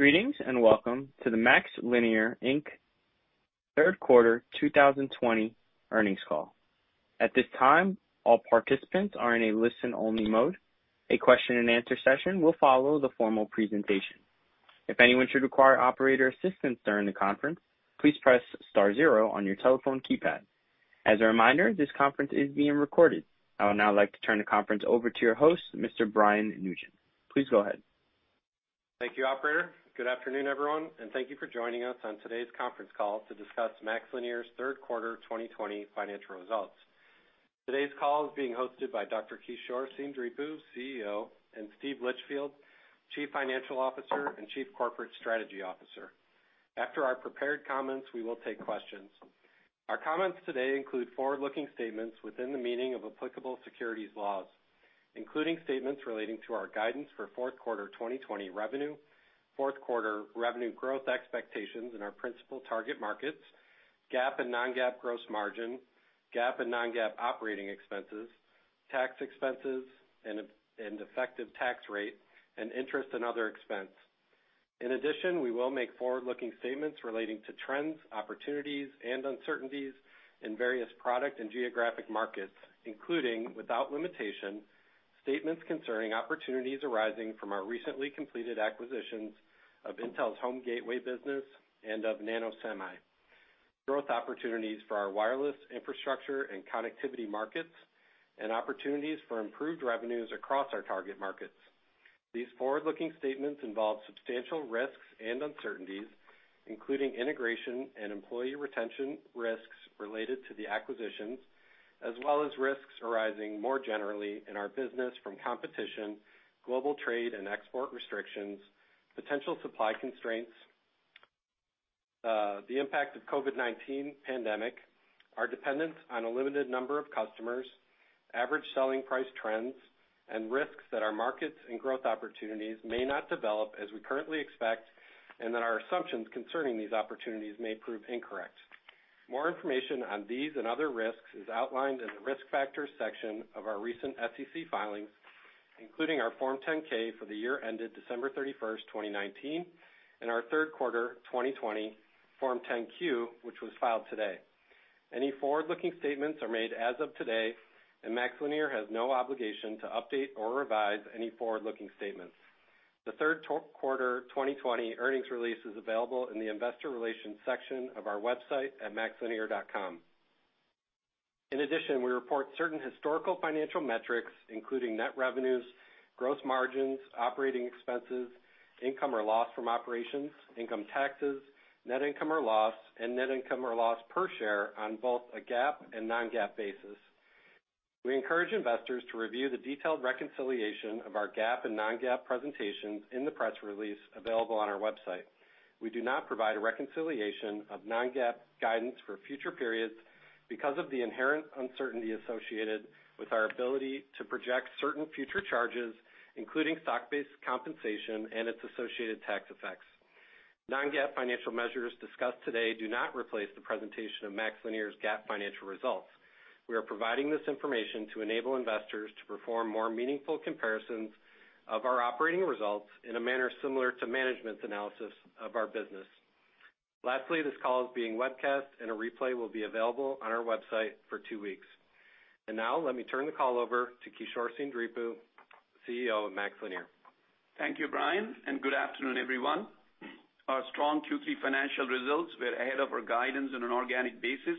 Greetings, welcome to the MaxLinear Inc third quarter 2020 earnings call. At this time, all participants are in a listen-only mode. A question and answer session will follow the formal presentation. If anyone should require operator assistance during the conference, please press star zero on your telephone keypad. As a reminder, this conference is being recorded. I would now like to turn the conference over to your host, Mr. Brian Nugent. Please go ahead. Thank you, operator. Good afternoon, everyone, and thank you for joining us on today's conference call to discuss MaxLinear's third quarter 2020 financial results. Today's call is being hosted by Dr. Kishore Seendripu, CEO, and Steve Litchfield, Chief Financial Officer and Chief Corporate Strategy Officer. After our prepared comments, we will take questions. Our comments today include forward-looking statements within the meaning of applicable securities laws, including statements relating to our guidance for fourth quarter 2020 revenue, fourth quarter revenue growth expectations in our principal target markets, GAAP and non-GAAP gross margin, GAAP and non-GAAP operating expenses, tax expenses, and effective tax rate, and interest and other expense. In addition, we will make forward-looking statements relating to trends, opportunities, and uncertainties in various product and geographic markets, including, without limitation, statements concerning opportunities arising from our recently completed acquisitions of Intel's home gateway business and of NanoSemi, growth opportunities for our wireless infrastructure and connectivity markets, and opportunities for improved revenues across our target markets. These forward-looking statements involve substantial risks and uncertainties, including integration and employee retention risks related to the acquisitions, as well as risks arising more generally in our business from competition, global trade and export restrictions, potential supply constraints, the impact of COVID-19 pandemic, our dependence on a limited number of customers, average selling price trends, and risks that our markets and growth opportunities may not develop as we currently expect, and that our assumptions concerning these opportunities may prove incorrect. More information on these and other risks is outlined in the Risk Factors section of our recent SEC filings, including our Form 10-K for the year ended December 31st, 2019, and our third quarter 2020 Form 10-Q, which was filed today. Any forward-looking statements are made as of today, and MaxLinear has no obligation to update or revise any forward-looking statements. The third quarter 2020 earnings release is available in the investor relations section of our website at maxlinear.com. In addition, we report certain historical financial metrics, including net revenues, gross margins, operating expenses, income or loss from operations, income taxes, net income or loss, and net income or loss per share on both a GAAP and non-GAAP basis. We encourage investors to review the detailed reconciliation of our GAAP and non-GAAP presentations in the press release available on our website. We do not provide a reconciliation of non-GAAP guidance for future periods because of the inherent uncertainty associated with our ability to project certain future charges, including stock-based compensation and its associated tax effects. Non-GAAP financial measures discussed today do not replace the presentation of MaxLinear's GAAP financial results. We are providing this information to enable investors to perform more meaningful comparisons of our operating results in a manner similar to management's analysis of our business. Lastly, this call is being webcast, and a replay will be available on our website for two weeks. Now, let me turn the call over to Kishore Seendripu, CEO of MaxLinear. Thank you, Brian, and good afternoon, everyone. Our strong Q3 financial results were ahead of our guidance on an organic basis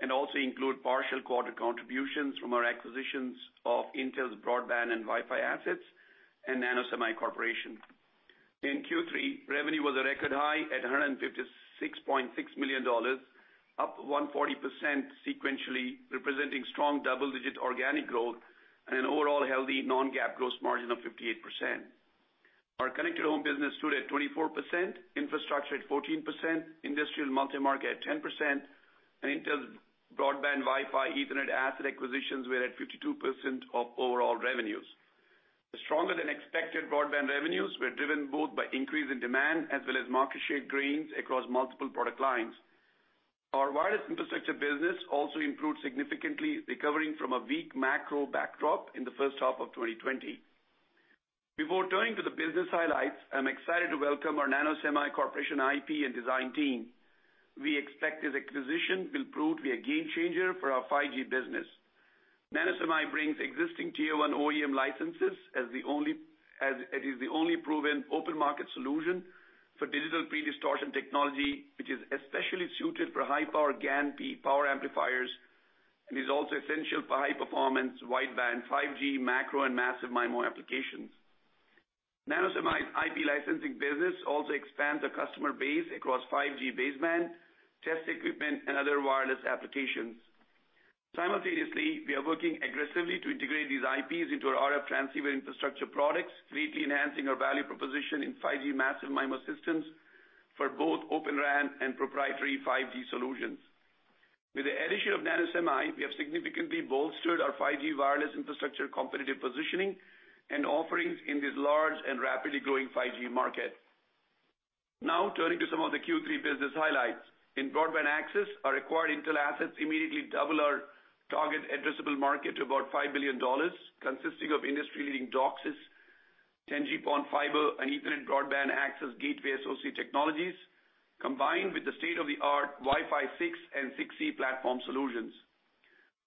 and also include partial quarter contributions from our acquisitions of Intel's broadband and Wi-Fi assets and NanoSemi Corporation. In Q3, revenue was a record high at $156.6 million, up 140% sequentially, representing strong double-digit organic growth and an overall healthy non-GAAP gross margin of 58%. Our connected home business stood at 24%, infrastructure at 14%, industrial multi-market at 10%, and Intel's broadband, Wi-Fi, Ethernet asset acquisitions were at 52% of overall revenues. The stronger than expected broadband revenues were driven both by increase in demand as well as market share gains across multiple product lines. Our wireless infrastructure business also improved significantly, recovering from a weak macro backdrop in the first half of 2020. Before turning to the business highlights, I'm excited to welcome our NanoSemi Corporation IP and design team. We expect this acquisition will prove to be a game changer for our 5G business. NanoSemi brings existing tier one OEM licenses as it is the only proven open-market solution for digital predistortion technology, which is especially suited for high-power GaN power amplifiers and is also essential for high-performance wideband 5G macro and massive MIMO applications. NanoSemi's IP licensing business also expands the customer base across 5G baseband, test equipment, and other wireless applications. Simultaneously, we are working aggressively to integrate these IPs into our RF transceiver infrastructure products, greatly enhancing our value proposition in 5G massive MIMO systems for both Open RAN and proprietary 5G solutions. With the addition of NanoSemi, we have significantly bolstered our 5G wireless infrastructure competitive positioning and offerings in this large and rapidly growing 5G market. Turning to some of the Q3 business highlights. In broadband access, our acquired Intel assets immediately double our target addressable market to about $5 billion, consisting of industry-leading DOCSIS, 10G-PON fiber and Ethernet broadband access gateway SoC technologies, combined with the state-of-the-art Wi-Fi 6 and 6E platform solutions.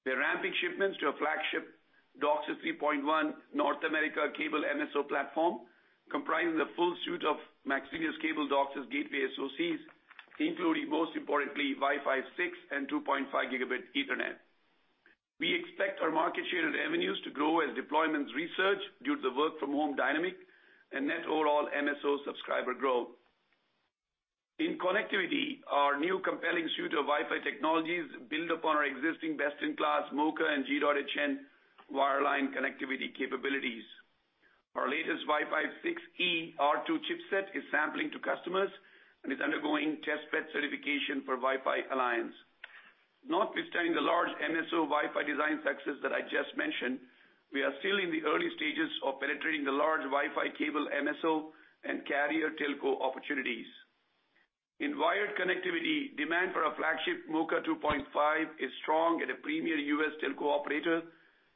We are ramping shipments to our flagship DOCSIS 3.1 North America cable MSO platform, comprising the full suite of MaxLinear's cable DOCSIS gateway SoCs, including, most importantly, Wi-Fi 6 and 2.5 Gigabit Ethernet. We expect our market share and revenues to grow as deployments resurge due to the work-from-home dynamic and net overall MSO subscriber growth. In connectivity, our new compelling suite of Wi-Fi technologies build upon our existing best-in-class MoCA and G.hn wireline connectivity capabilities. Our latest Wi-Fi 6E R2 chipset is sampling to customers and is undergoing test bed certification for Wi-Fi Alliance. Notwithstanding the large MSO Wi-Fi design success that I just mentioned, we are still in the early stages of penetrating the large Wi-Fi cable MSO and carrier telco opportunities. In wired connectivity, demand for our flagship MoCA 2.5 is strong at a premier U.S. telco operator,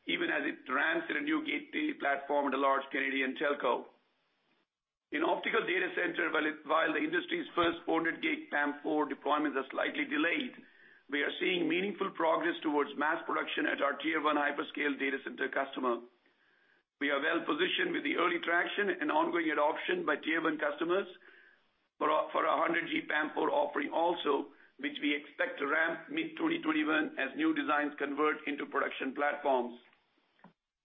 even as it ramps in a new gateway platform at a large Canadian telco. In optical data center, while the industry's first 400G PAM4 deployments are slightly delayed, we are seeing meaningful progress towards mass production at our tier 1 hyperscale data center customer. We are well positioned with the early traction and ongoing adoption by Tier 1 customers for our 100G PAM4 offering also, which we expect to ramp mid-2021 as new designs convert into production platforms.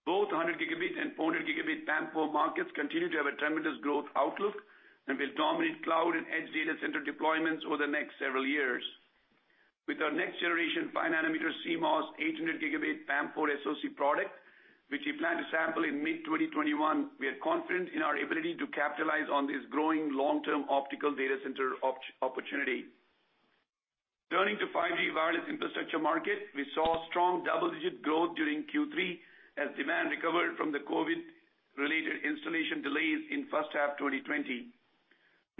Both 100 Gb and 400 Gb PAM4 markets continue to have a tremendous growth outlook and will dominate cloud and edge data center deployments over the next several years. With our next generation 5 nanometer CMOS 800 Gb PAM4 SoC product, which we plan to sample in mid-2021, we are confident in our ability to capitalize on this growing long-term optical data center opportunity. Turning to 5G wireless infrastructure market, we saw strong double-digit growth during Q3 as demand recovered from the COVID-related installation delays in first half 2020.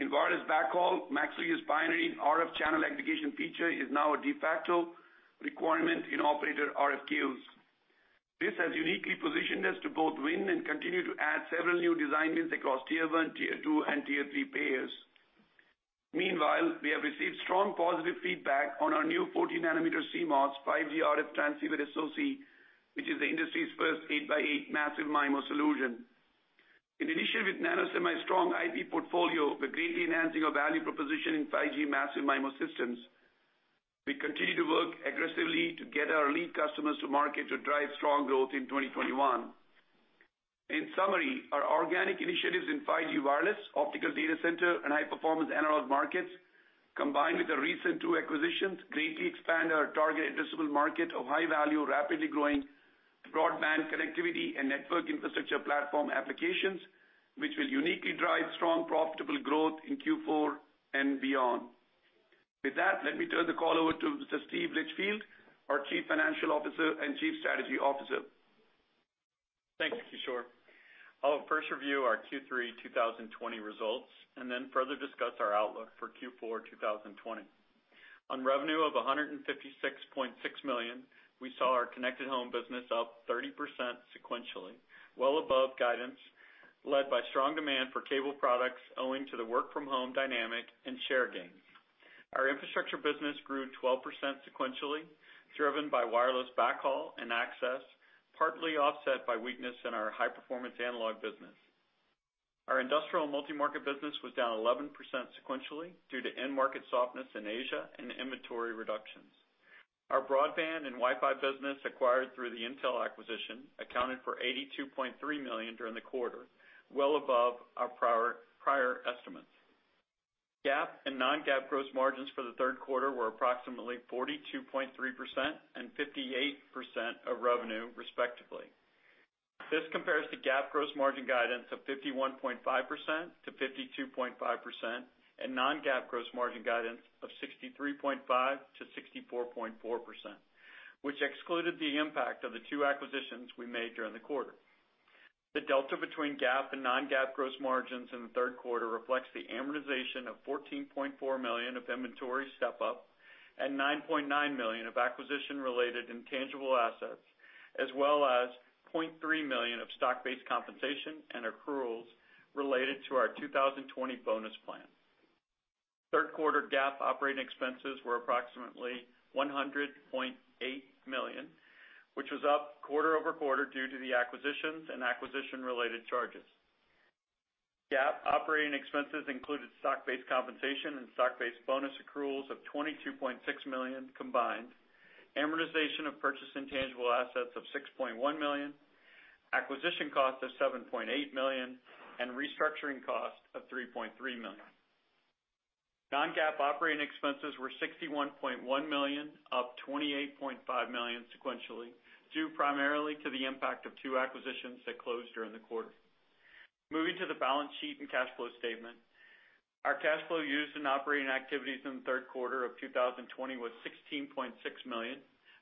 In wireless backhaul, MaxLinear's binary RF channel aggregation feature is now a de facto requirement in operator RFQs. This has uniquely positioned us to both win and continue to add several new design wins across tier 1, tier 2, and tier 3 payers. Meanwhile, we have received strong positive feedback on our new 40 nanometer CMOS 5G RF transceiver SoC, which is the industry's first 8x8 massive MIMO solution. In addition with NanoSemi's strong IP portfolio, we're greatly enhancing our value proposition in 5G massive MIMO systems. We continue to work aggressively to get our lead customers to market to drive strong growth in 2021. In summary, our organic initiatives in 5G wireless, optical data center, and high-performance analog markets, combined with our recent two acquisitions, greatly expand our target addressable market of high value, rapidly growing broadband connectivity and network infrastructure platform applications, which will uniquely drive strong profitable growth in Q4 and beyond. With that, let me turn the call over to Mr. Steve Litchfield, our Chief Financial Officer and Chief Strategy Officer. Thank you, Kishore. I'll first review our Q3 2020 results and then further discuss our outlook for Q4 2020. On revenue of $156.6 million, we saw our connected home business up 30% sequentially, well above guidance, led by strong demand for cable products owing to the work-from-home dynamic and share gains. Our infrastructure business grew 12% sequentially, driven by wireless backhaul and access, partly offset by weakness in our high-performance analog business. Our industrial multi-market business was down 11% sequentially due to end market softness in Asia and inventory reductions. Our broadband and Wi-Fi business acquired through the Intel acquisition accounted for $82.3 million during the quarter, well above our prior estimates. GAAP and non-GAAP gross margins for the third quarter were approximately 42.3% and 58% of revenue, respectively. This compares to GAAP gross margin guidance of 51.5%-52.5%, and non-GAAP gross margin guidance of 63.5%-64.4%, which excluded the impact of the two acquisitions we made during the quarter. The delta between GAAP and non-GAAP gross margins in the third quarter reflects the amortization of $14.4 million of inventory step-up and $9.9 million of acquisition-related intangible assets, as well as $0.3 million of stock-based compensation and accruals related to our 2020 bonus plan. Third quarter GAAP operating expenses were approximately $100.8 million, which was up quarter-over-quarter due to the acquisitions and acquisition-related charges. GAAP operating expenses included stock-based compensation and stock-based bonus accruals of $22.6 million combined, amortization of purchased intangible assets of $6.1 million, acquisition costs of $7.8 million, and restructuring costs of $3.3 million. Non-GAAP operating expenses were $61.1 million, up $28.5 million sequentially, due primarily to the impact of two acquisitions that closed during the quarter. Moving to the balance sheet and cash flow statement. Our cash flow used in operating activities in the third quarter of 2020 was $16.6 million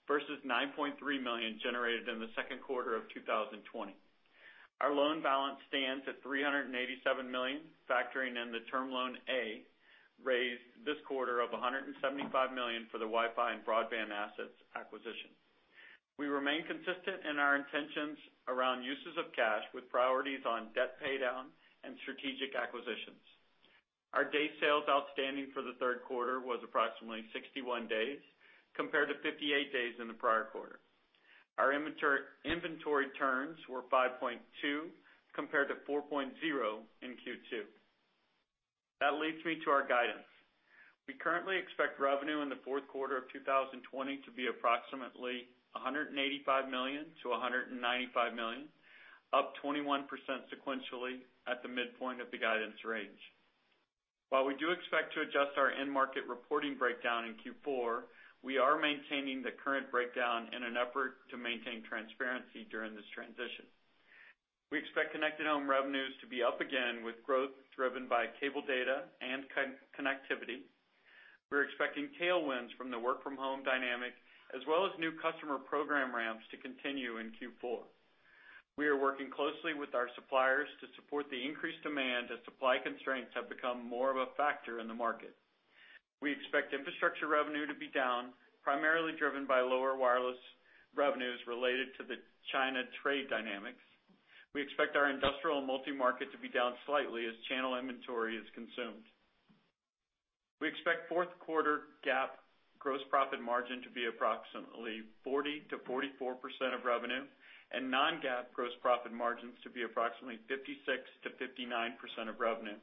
versus $9.3 million generated in the second quarter of 2020. Our loan balance stands at $387 million, factoring in the Term Loan A raised this quarter of $175 million for the Wi-Fi and broadband assets acquisition. We remain consistent in our intentions around uses of cash with priorities on debt paydown and strategic acquisitions. Our day sales outstanding for the third quarter was approximately 61 days compared to 58 days in the prior quarter. Our inventory turns were 5.2 compared to 4.0 in Q2. That leads me to our guidance. We currently expect revenue in the fourth quarter of 2020 to be approximately $185 million-$195 million, up 21% sequentially at the midpoint of the guidance range. While we do expect to adjust our end market reporting breakdown in Q4, we are maintaining the current breakdown in an effort to maintain transparency during this transition. We expect connected home revenues to be up again with growth driven by cable data and connectivity. We're expecting tailwinds from the work-from-home dynamic as well as new customer program ramps to continue in Q4. We are working closely with our suppliers to support the increased demand as supply constraints have become more of a factor in the market. We expect infrastructure revenue to be down, primarily driven by lower wireless revenues related to the China trade dynamics. We expect our industrial multi-market to be down slightly as channel inventory is consumed. We expect fourth quarter GAAP gross profit margin to be approximately 40%-44% of revenue and non-GAAP gross profit margins to be approximately 56%-59% of revenue.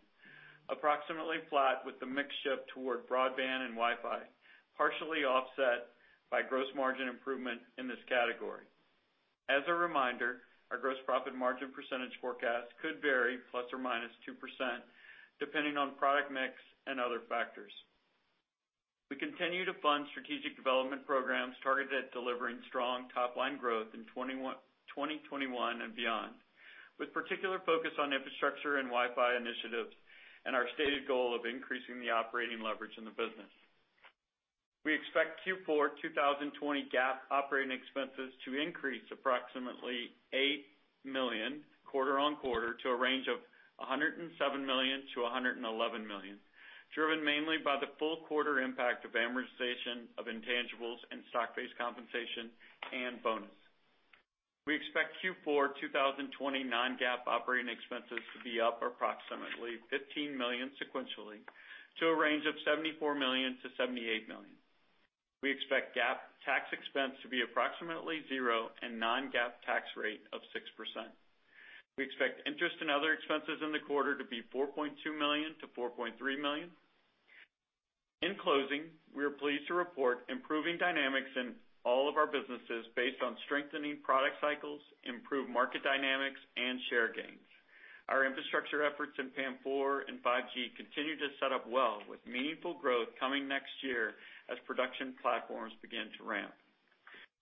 Approximately flat with the mix shift toward broadband and Wi-Fi, partially offset by gross margin improvement in this category. As a reminder, our gross profit margin percentage forecast could vary ±2% depending on product mix and other factors. We continue to fund strategic development programs targeted at delivering strong top-line growth in 2021 and beyond, with particular focus on infrastructure and Wi-Fi initiatives and our stated goal of increasing the operating leverage in the business. We expect Q4 2020 GAAP operating expenses to increase approximately $8 million quarter-on-quarter to a range of $107 million-$111 million, driven mainly by the full quarter impact of amortization of intangibles and stock-based compensation and bonus. We expect Q4 2020 non-GAAP operating expenses to be up approximately $15 million sequentially to a range of $74 million-$78 million. We expect GAAP tax expense to be approximately zero and non-GAAP tax rate of 6%. We expect interest in other expenses in the quarter to be $4.2 million-$4.3 million. In closing, we are pleased to report improving dynamics in all of our businesses based on strengthening product cycles, improved market dynamics, and share gains. Our infrastructure efforts in PAM4 and 5G continue to set up well with meaningful growth coming next year as production platforms begin to ramp.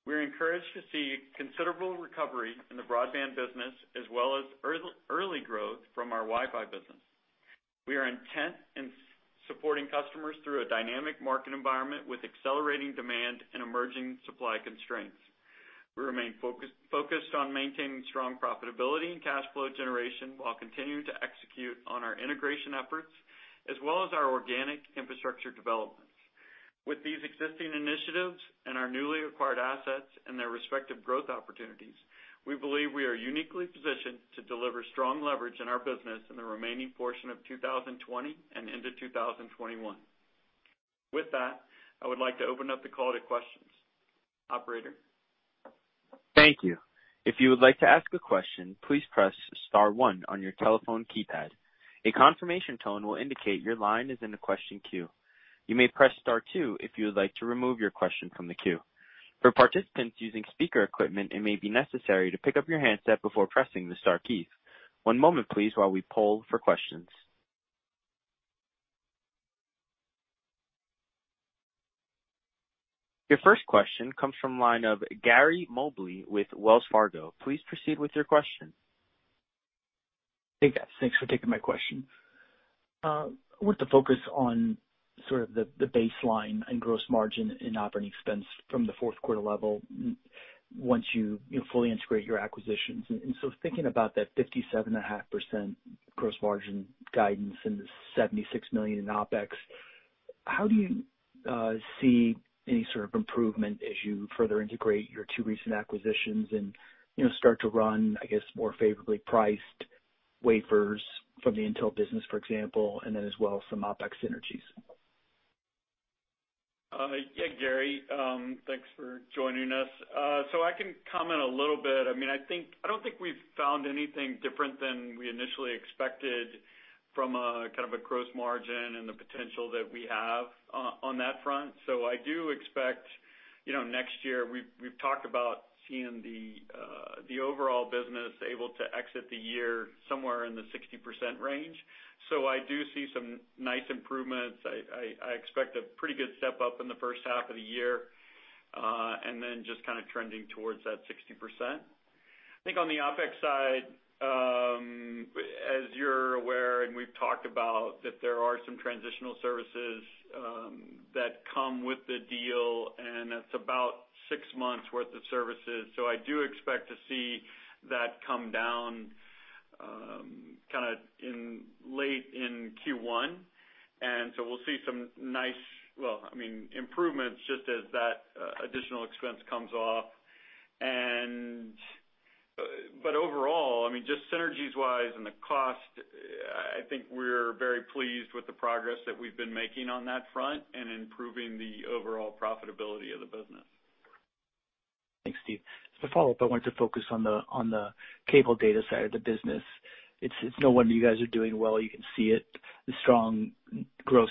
We are encouraged to see considerable recovery in the broadband business as well as early growth from our Wi-Fi business. We are intent in supporting customers through a dynamic market environment with accelerating demand and emerging supply constraints. We remain focused on maintaining strong profitability and cash flow generation while continuing to execute on our integration efforts as well as our organic infrastructure developments. With these existing initiatives and our newly acquired assets and their respective growth opportunities, we believe we are uniquely positioned to deliver strong leverage in our business in the remaining portion of 2020 and into 2021. With that, I would like to open up the call to questions. Operator? Thank you. If you would like to ask a question, please press star one on your telephone keypad. A confirmation tone will indicate your line is in the question queue. You may press star two if you would like to remove your question from the queue. For participants using speaker equipment, it may be necessary to pick up your handset before pressing the star key. One moment please while we poll for questions. Your first question comes from line of Gary Mobley with Wells Fargo. Please proceed with your question. Hey guys, thanks for taking my question. I want to focus on sort of the baseline and gross margin in operating expense from the fourth quarter level once you fully integrate your acquisitions. Thinking about that 57.5% gross margin guidance and the $76 million in OpEx, how do you see any sort of improvement as you further integrate your two recent acquisitions and start to run, I guess, more favorably priced wafers from the Intel business, for example, and then as well some OpEx synergies? Yeah, Gary, thanks for joining us. I can comment a little bit. I don't think we've found anything different than we initially expected from a kind of a gross margin and the potential that we have on that front. I do expect next year, we've talked about seeing the overall business able to exit the year somewhere in the 60% range. I do see some nice improvements. I expect a pretty good step up in the first half of the year, and then just kind of trending towards that 60%. I think on the OpEx side. We've talked about that there are some transitional services that come with the deal, and that's about six months worth of services. I do expect to see that come down kind of late in Q1. We'll see some nice, well, improvements just as that additional expense comes off. Overall, just synergies wise and the cost, I think we're very pleased with the progress that we've been making on that front and improving the overall profitability of the business. Thanks, Steve. As a follow-up, I wanted to focus on the cable data side of the business. It's no wonder you guys are doing well. You can see it, the strong gross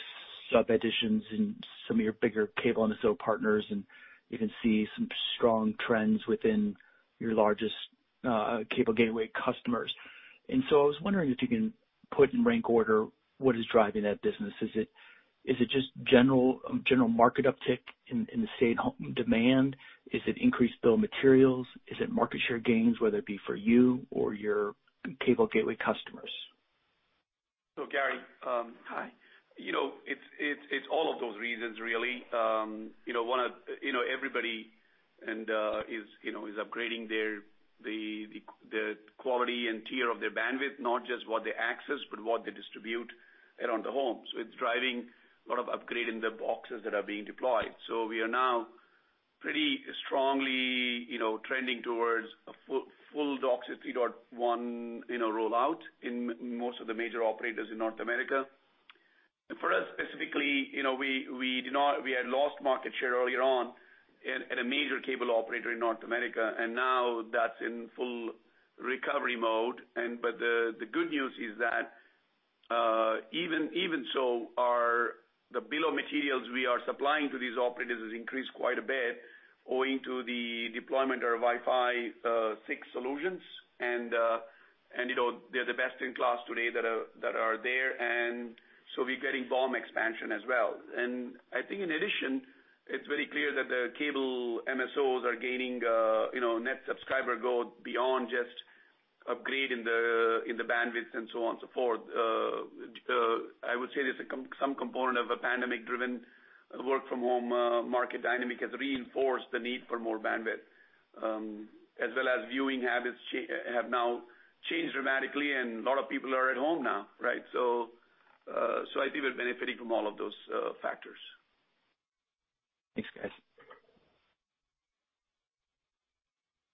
sub additions in some of your bigger cable and retail partners, and you can see some strong trends within your largest cable gateway customers. I was wondering if you can put in rank order what is driving that business. Is it just general market uptick in the same demand? Is it increased bill of materials? Is it market share gains, whether it be for you or your cable gateway customers? Hey, Gary. Hi. It's all of those reasons, really. Everybody is upgrading the quality and tier of their bandwidth, not just what they access, but what they distribute around the home. It's driving a lot of upgrade in the boxes that are being deployed. We are now pretty strongly trending towards a full DOCSIS 3.1 rollout in most of the major operators in North America. For us specifically, we had lost market share earlier on at a major cable operator in North America, and now that's in full recovery mode. The good news is that, even so, the bill of materials we are supplying to these operators has increased quite a bit owing to the deployment of our Wi-Fi 6 solutions. They're the best in class today that are there, and so we're getting BOM expansion as well. I think in addition, it's very clear that the cable MSOs are gaining net subscriber growth beyond just upgrade in the bandwidths and so on so forth. I would say there's some component of a pandemic-driven work from home market dynamic has reinforced the need for more bandwidth, as well as viewing habits have now changed dramatically, and a lot of people are at home now. I think we're benefiting from all of those factors. Thanks, guys.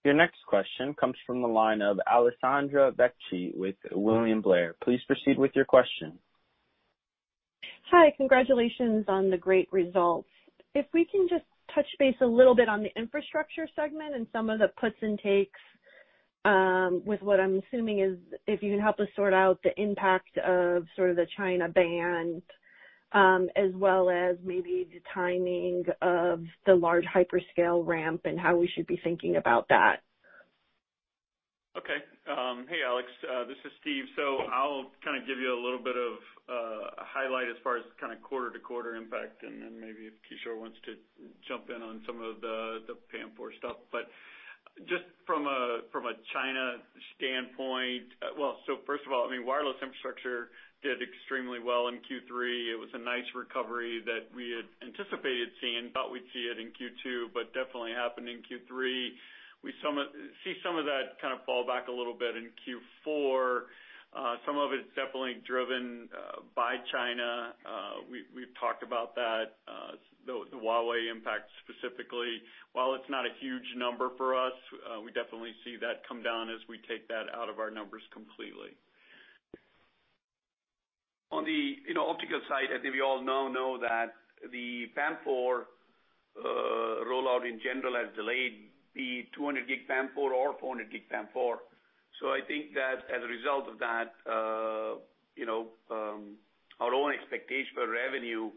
Your next question comes from the line of Alessandra Vecchi with William Blair. Please proceed with your question. Hi. Congratulations on the great results. If we can just touch base a little bit on the infrastructure segment and some of the puts and takes with what I'm assuming is if you can help us sort out the impact of sort of the China ban, as well as maybe the timing of the large hyperscale ramp and how we should be thinking about that. Okay. Hey, Alex. This is Steve. I'll give you a little bit of a highlight as far as quarter-to-quarter impact, and then maybe if Kishore wants to jump in on some of the PAM4 stuff. First of all, wireless infrastructure did extremely well in Q3. It was a nice recovery that we had anticipated seeing, thought we'd see it in Q2, but definitely happened in Q3. We see some of that fall back a little bit in Q4. Some of it's definitely driven by China. We've talked about that, the Huawei impact specifically. While it's not a huge number for us, we definitely see that come down as we take that out of our numbers completely. On the optical side, I think we all now know that the PAM4 rollout in general has delayed the 200G PAM4 or 400G PAM4. I think that as a result of that, our own expectation for revenue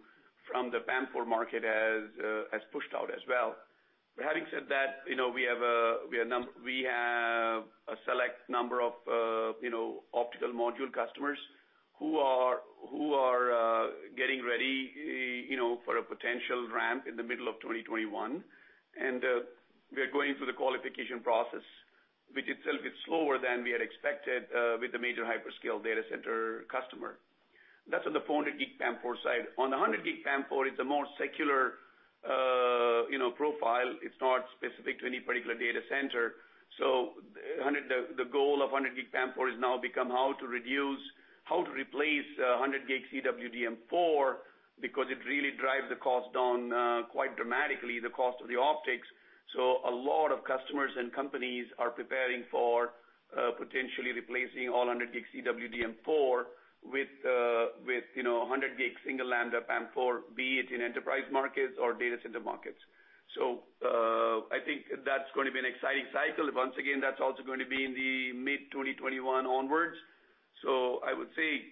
from the PAM4 market has pushed out as well. Having said that, we have a select number of optical module customers who are getting ready for a potential ramp in the middle of 2021. We are going through the qualification process, which itself is slower than we had expected with a major hyperscale data center customer. That's on the 400G PAM4 side. On the 100G PAM4, it's a more secular profile. It's not specific to any particular data center. The goal of 100G PAM4 has now become how to replace 100G CWDM4, because it really drives the cost down quite dramatically, the cost of the optics. A lot of customers and companies are preparing for potentially replacing all 100G CWDM4 with 100G single lambda PAM4, be it in enterprise markets or data center markets. I think that's going to be an exciting cycle. Once again, that's also going to be in the mid-2021 onwards. I would say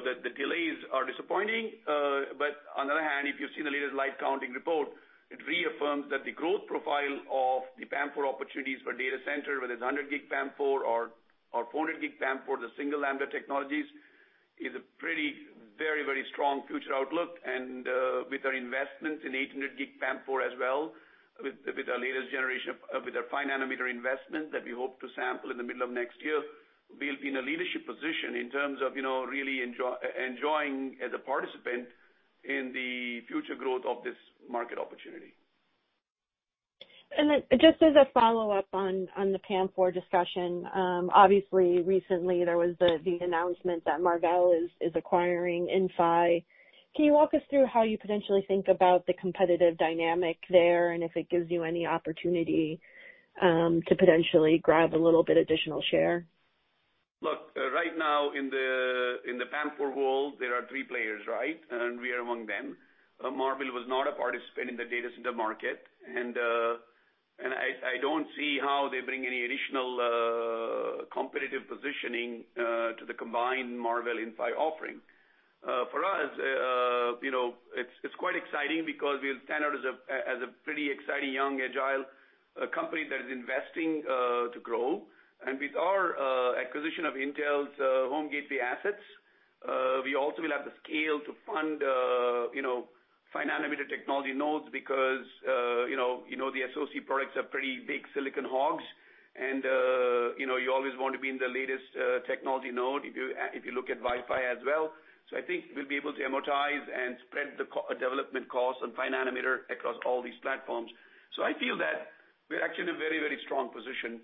that the delays are disappointing. On the other hand, if you see the latest LightCounting report, it reaffirms that the growth profile of the PAM4 opportunities for data center, whether it's 100G PAM4 or 400G PAM4, the single lambda technologies is a pretty, very strong future outlook. With our investment in 800G PAM4 as well, with our latest generation with our 5 nanometer investment that we hope to sample in the middle of next year, we'll be in a leadership position in terms of really enjoying as a participant in the future growth of this market opportunity. Just as a follow-up on the PAM4 discussion, obviously recently there was the announcement that Marvell is acquiring Inphi. Can you walk us through how you potentially think about the competitive dynamic there and if it gives you any opportunity to potentially grab a little bit additional share? Right now in the PAM4 world, there are three players. We are among them. Marvell was not a participant in the data center market, and I don't see how they bring any additional competitive positioning to the combined Marvell Inphi offering. For us, it's quite exciting because we stand out as a pretty exciting young, agile company that is investing to grow. With our acquisition of Intel's home gateway assets, we also will have the scale to fund 5 nanometer technology nodes because the associate products are pretty big silicon hogs and you always want to be in the latest technology node if you look at Wi-Fi as well. I think we'll be able to amortize and spread the development costs on 5 nanometer across all these platforms. I feel that we're actually in a very strong position.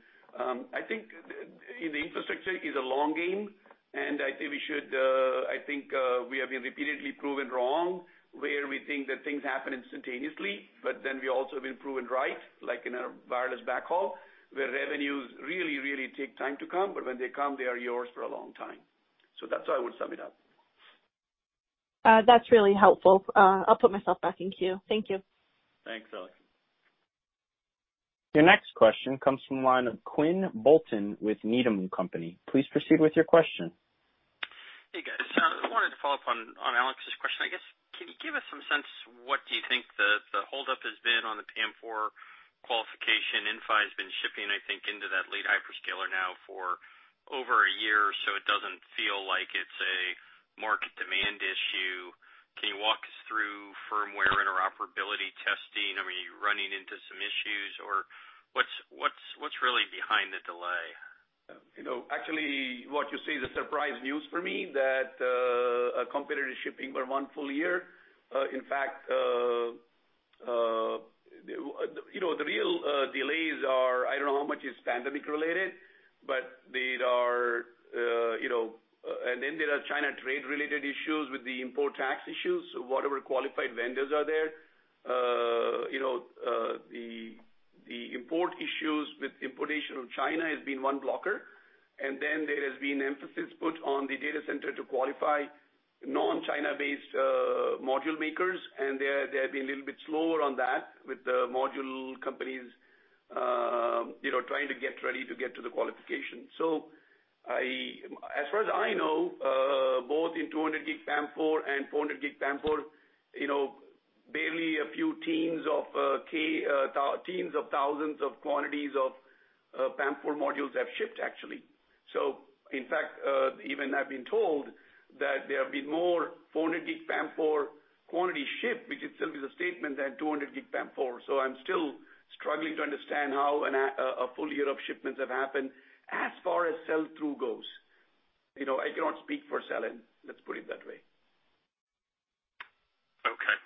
I think the infrastructure is a long game. I think we have been repeatedly proven wrong where we think that things happen instantaneously. We also have been proven right, like in our wireless backhaul, where revenues really take time to come, but when they come, they are yours for a long time. That's how I would sum it up. That's really helpful. I'll put myself back in queue. Thank you. Thanks, Alex. Your next question comes from the line of Quinn Bolton with Needham & Company. Please proceed with your question. Hey, guys. I just wanted to follow up on Alex's question. I guess, can you give us some sense, what do you think the holdup has been on the PAM4 qualification? Inphi's been shipping, I think, into that lead hyperscaler now for over a year or so. It doesn't feel like it's a market demand issue. Can you walk us through firmware interoperability testing? Are you running into some issues or what's really behind the delay? Actually, what you say is a surprise news for me that a competitor is shipping for one full year. In fact, the real delays are, I don't know how much is pandemic related, and then there are China trade related issues with the import tax issues. Whatever qualified vendors are there. The import issues with importation of China has been one blocker, and then there has been emphasis put on the data center to qualify non-China based module makers, and they have been a little bit slower on that with the module companies trying to get ready to get to the qualification. As far as I know, both in 200G PAM4 and 400G PAM4, barely a few tens of thousands of quantities of PAM4 modules have shipped, actually. In fact, even I've been told that there have been more 400G PAM4 quantity shipped, which itself is a statement, than 200G PAM4. I'm still struggling to understand how a full year of shipments have happened as far as sell-through goes. I cannot speak for sell-in, let's put it that way. Okay.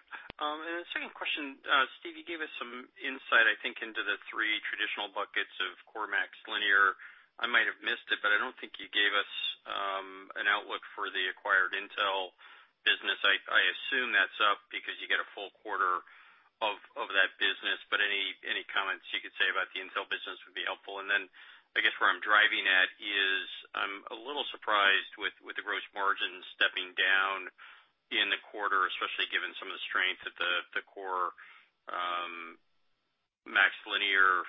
The second question, Steve, you gave us some insight, I think, into the three traditional buckets of core MaxLinear. I might have missed it, I don't think you gave us an outlook for the acquired Intel business. I assume that's up because you get a full quarter of that business. Any comments you could say about the Intel business would be helpful. I guess where I'm driving at is I'm a little surprised with the gross margins stepping down in the quarter, especially given some of the strength at the core MaxLinear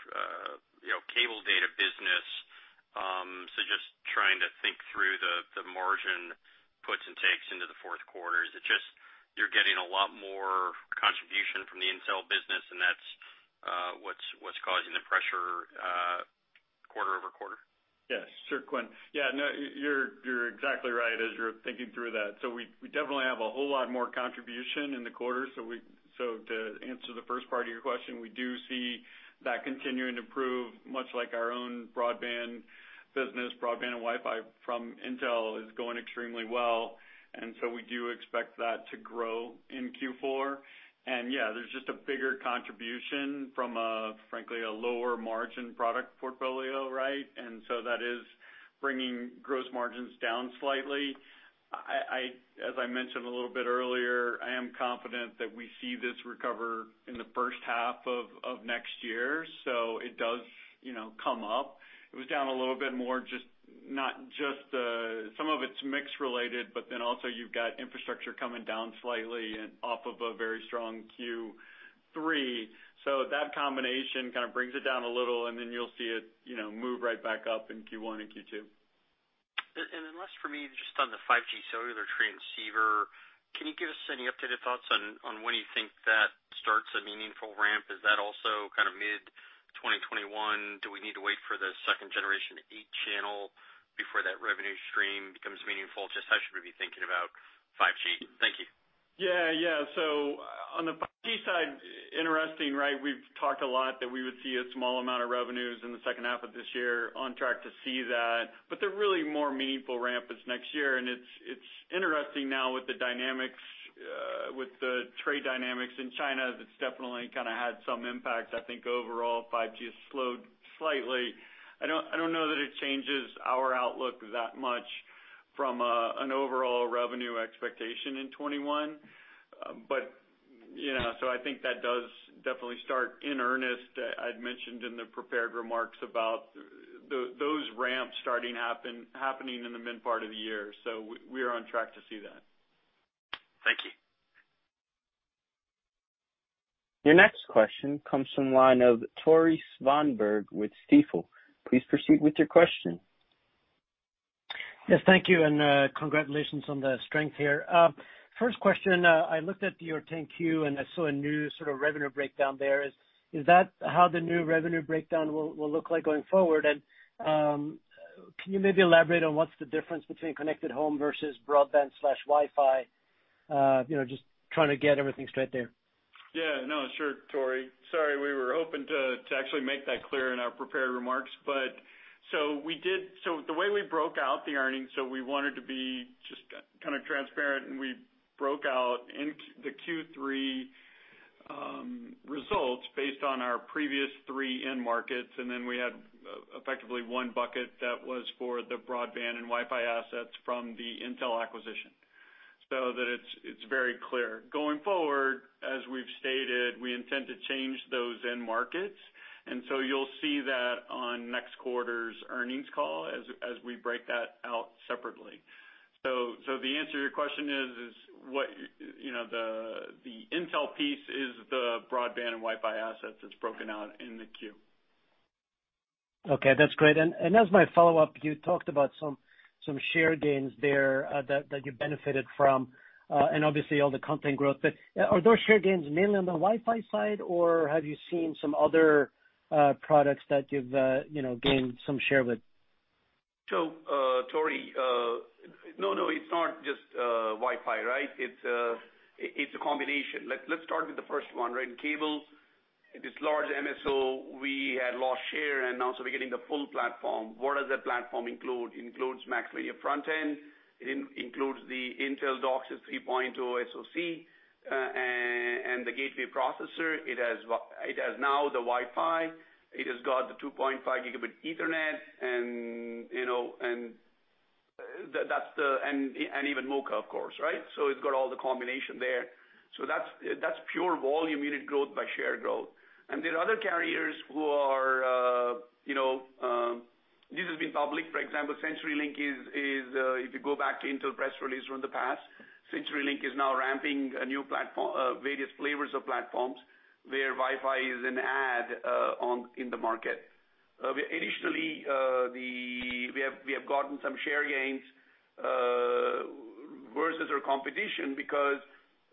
cable data business. Just trying to think through the margin puts and takes into the fourth quarter. Is it just you're getting a lot more contribution from the Intel business and that's what's causing the pressure quarter-over-quarter? Yes, sure, Quinn. Yeah, no, you're exactly right as you're thinking through that. We definitely have a whole lot more contribution in the quarter. To answer the first part of your question, we do see that continuing to prove, much like our own broadband business, broadband and Wi-Fi from Intel is going extremely well. We do expect that to grow in Q4. Yeah, there's just a bigger contribution from a, frankly, a lower margin product portfolio. That is bringing gross margins down slightly. As I mentioned a little bit earlier, I am confident that we see this recover in the first half of next year, so it does come up. It was down a little bit more, some of it's mix related, but then also you've got infrastructure coming down slightly and off of a very strong Q3. That combination kind of brings it down a little and then you'll see it move right back up in Q1 and Q2. Last for me, just on the 5G cellular transceiver. Can you give us any updated thoughts on when you think that starts a meaningful ramp? Is that also mid 2021? Do we need to wait for the second generation 8-channel before that revenue stream becomes meaningful? Just how should we be thinking about 5G? Thank you. Yeah. On the 5G side, interesting, right? We've talked a lot that we would see a small amount of revenues in the second half of this year, on track to see that. The really more meaningful ramp is next year. It's interesting now with the trade dynamics in China, that's definitely had some impact. I think overall 5G has slowed slightly. I don't know that it changes our outlook that much from an overall revenue expectation in 2021. I think that does definitely start in earnest. I'd mentioned in the prepared remarks about those ramps starting happening in the mid part of the year. We are on track to see that. Thank you. Your next question comes from the line of Tore Svanberg with Stifel. Please proceed with your question. Yes. Thank you and congratulations on the strength here. First question. I looked at your 10-Q and I saw a new sort of revenue breakdown there. Is that how the new revenue breakdown will look like going forward? Can you maybe elaborate on what's the difference between connected home versus broadband/Wi-Fi? Just trying to get everything straight there. No, sure, Tore. Sorry. We were hoping to actually make that clear in our prepared remarks. The way we broke out the earnings, we wanted to be just kind of transparent and we broke out the Q3 results based on our previous three end markets, and then we had effectively one bucket that was for the broadband and Wi-Fi assets from the Intel acquisition, so that it's very clear. Going forward, as we've stated, we intend to change those end markets. You'll see that on next quarter's earnings call as we break that out separately. The answer to your question is the Intel piece is the broadband and Wi-Fi assets that's broken out in the queue. Okay. That's great. As my follow-up, you talked about some share gains there, that you benefited from, and obviously all the content growth, but are those share gains mainly on the Wi-Fi side, or have you seen some other products that you've gained some share with? Tore, no, it's not just Wi-Fi, right? It's a combination. Let's start with the first one, right? In cable, this large MSO, we had lost share and now we're getting the full platform. What does that platform include? Includes MaxLinear front end, it includes the Intel DOCSIS 3.1 SoC, and the gateway processor. It has now the Wi-Fi. It has got the 2.5 Gigabit Ethernet and even MoCA, of course, right? It's got all the combination there. That's pure volume unit growth by share growth. There are other carriers this has been public, for example, CenturyLink is, if you go back to Intel press release from the past, CenturyLink is now ramping various flavors of platforms, where Wi-Fi is an add in the market. Additionally, we have gotten some share gains versus our competition because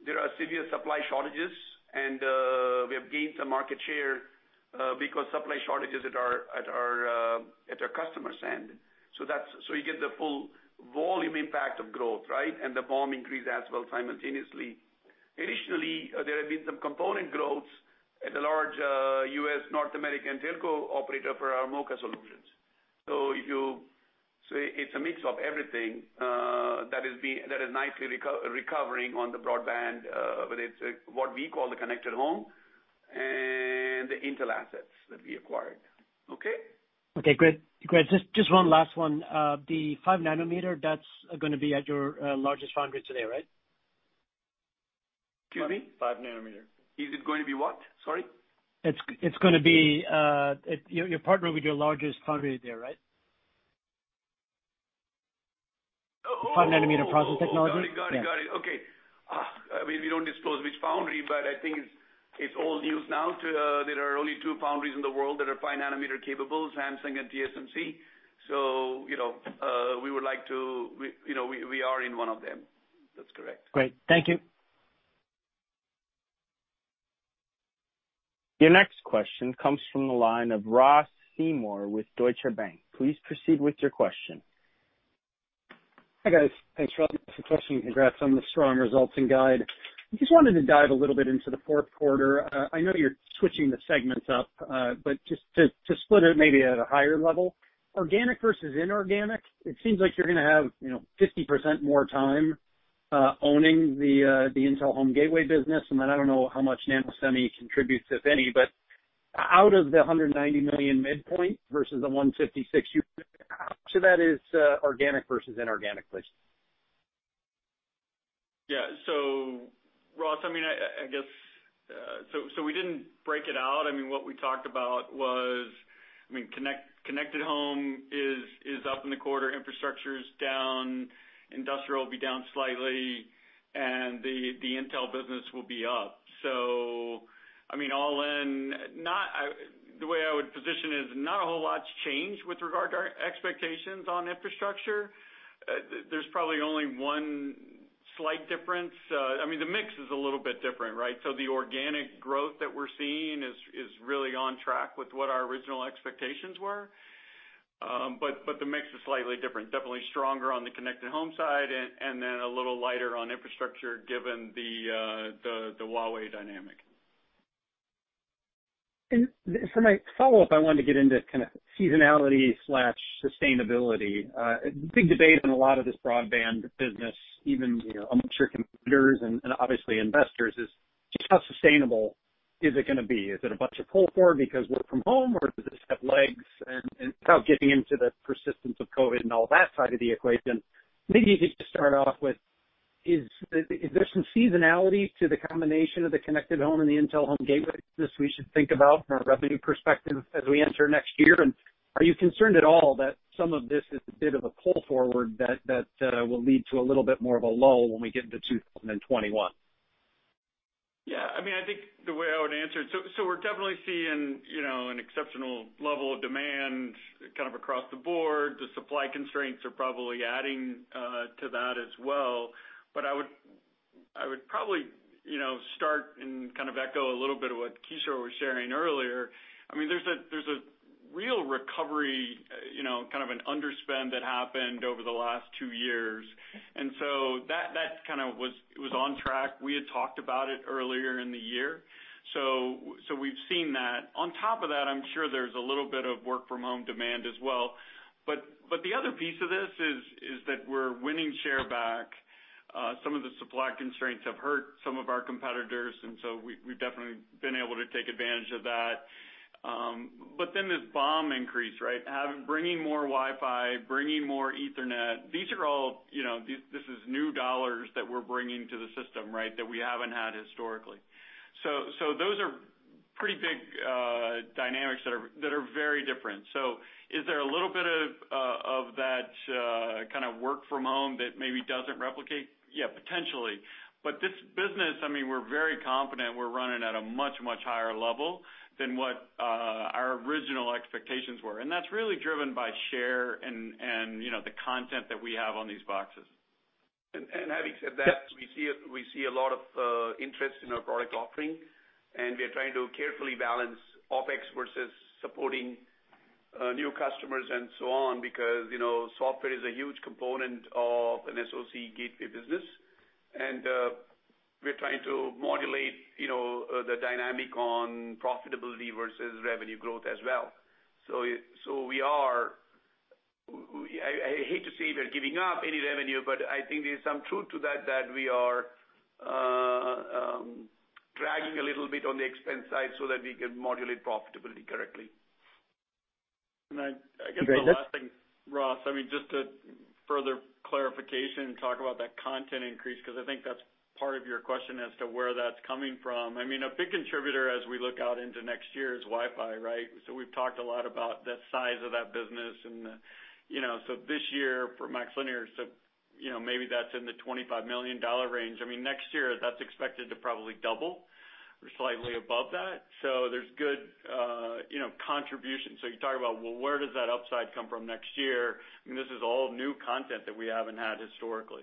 there are severe supply shortages and we have gained some market share because supply shortages at our customer's end. You get the full volume impact of growth, right? The BOM increase as well simultaneously. Initially, there have been some component growths at a large U.S. North American telco operator for our MoCA solutions. It's a mix of everything that is nicely recovering on the broadband, whether it's what we call the connected home and the Intel assets that we acquired. Okay? Okay, great. Just one last one. The 5 nanometer, that's gonna be at your largest foundry today, right? Excuse me? Five nanometer. Is it going to be what? Sorry. You're partnering with your largest foundry there, right? Oh. Five nanometer process technology. Got it. Yeah. Okay. We don't disclose which foundry, but I think it's old news now. There are only two foundries in the world that are 5 nanometer capable, Samsung and TSMC. We are in one of them. That's correct. Great. Thank you. Your next question comes from the line of Ross Seymore with Deutsche Bank. Please proceed with your question. Hi, guys. Thanks for all the support and congrats on the strong results and guide. I just wanted to dive a little bit into the fourth quarter. I know you're switching the segments up. Just to split it maybe at a higher level, organic versus inorganic, it seems like you're gonna have 50% more time owning the Intel home gateway business, and then I don't know how much NanoSemi contributes, if any, but out of the $190 million midpoint versus the $156, how much of that is organic versus inorganic, please? Yeah, so, Ross, we didn't break it out. What we talked about was connected home is up in the quarter, infrastructure's down, industrial will be down slightly, and the Intel business will be up. Change with regard to our expectations on infrastructure. There's probably only one slight difference. The mix is a little bit different, right? The organic growth that we're seeing is really on track with what our original expectations were. The mix is slightly different. Definitely stronger on the connected home side and then a little lighter on infrastructure given the Huawei dynamic. For my follow-up, I wanted to get into seasonality/sustainability. A big debate in a lot of this broadband business, even amongst your competitors and obviously investors, is just how sustainable is it going to be? Is it a bunch of pull forward because work from home, or does this have legs? Without getting into the persistence of COVID and all that side of the equation, maybe you could just start off with, is there some seasonality to the combination of the connected home and the Intel Home Gateway business we should think about from a revenue perspective as we enter next year? Are you concerned at all that some of this is a bit of a pull forward that will lead to a little bit more of a lull when we get into 2021? I think the way I would answer it, we're definitely seeing an exceptional level of demand across the board. I would probably start and echo a little bit of what Kishore was sharing earlier. There's a real recovery, an underspend that happened over the last two years. That was on track. We had talked about it earlier in the year. We've seen that. On top of that, I'm sure there's a little bit of work from home demand as well. The other piece of this is that we're winning share back. Some of the supply constraints have hurt some of our competitors, we've definitely been able to take advantage of that. This BOM increase, right? Bringing more Wi-Fi, bringing more ethernet, this is new dollars that we're bringing to the system that we haven't had historically. Those are pretty big dynamics that are very different. Is there a little bit of that work from home that maybe doesn't replicate? Yeah, potentially. This business, we're very confident we're running at a much, much higher level than what our original expectations were, and that's really driven by share and the content that we have on these boxes. Having said that, we see a lot of interest in our product offering, we are trying to carefully balance OpEx versus supporting new customers and so on, because software is a huge component of an SoC gateway business. We're trying to modulate the dynamic on profitability versus revenue growth as well. I hate to say we're giving up any revenue, I think there's some truth to that we are dragging a little bit on the expense side so that we can modulate profitability correctly. I guess the last thing, Ross, just to further clarification and talk about that content increase, because I think that's part of your question as to where that's coming from. A big contributor as we look out into next year is Wi-Fi, right? We've talked a lot about the size of that business. This year for MaxLinear, maybe that's in the $25 million range. Next year, that's expected to probably double or slightly above that. There's good contribution. You talk about, well, where does that upside come from next year? This is all new content that we haven't had historically.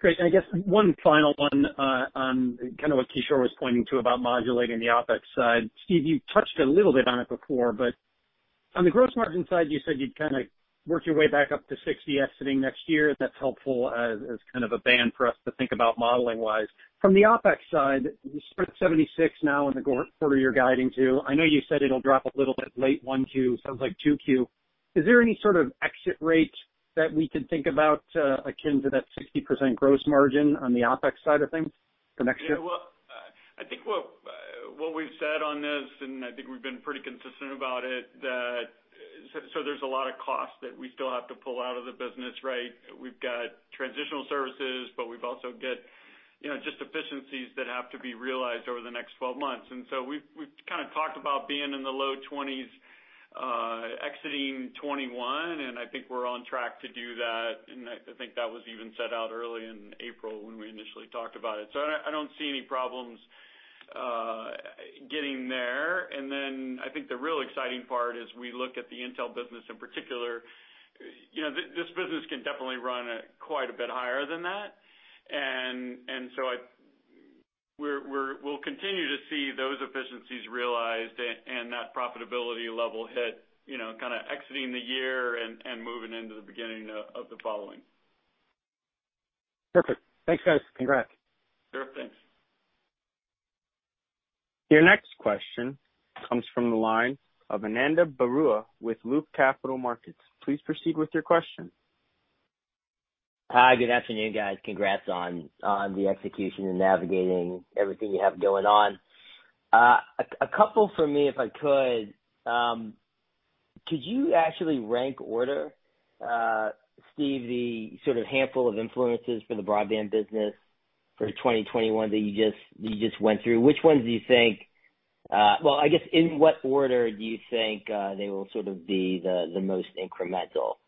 Great. I guess one final one on what Kishore was pointing to about modulating the OpEx side. Steve, you touched a little bit on it before, but on the gross margin side, you said you'd work your way back up to 60% exiting next year. That's helpful as a band for us to think about modeling-wise. From the OpEx side, you're at 76% now in the quarter you're guiding to. I know you said it'll drop a little bit late 1Q, sounds like 2Q. Is there any sort of exit rate that we could think about akin to that 60% gross margin on the OpEx side of things for next year? I think what we've said on this, I think we've been pretty consistent about it, that there's a lot of cost that we still have to pull out of the business, right? We've got transitional services, but we've also got just efficiencies that have to be realized over the next 12 months. We've talked about being in the low 20s exiting 2021, I think we're on track to do that, I think that was even set out early in April when we initially talked about it. I don't see any problems getting there. I think the real exciting part is we look at the Intel business in particular. This business can definitely run quite a bit higher than that, and so we'll continue to see those efficiencies realized and that profitability level hit exiting the year and moving into the beginning of the following. Perfect. Thanks, guys. Congrats. Sure. Thanks. Your next question comes from the line of Ananda Baruah with Loop Capital Markets. Please proceed with your question. Hi, good afternoon, guys. Congrats on the execution and navigating everything you have going on. A couple from me, if I could. Could you actually rank order, Steve, the handful of influences for the broadband business for 2021 that you just went through? I guess, in what order do you think they will be the most incremental?